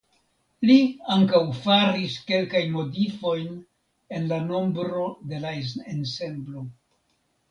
Li ankaŭ faris kelkajn modifojn en la nombro de la ensemblo.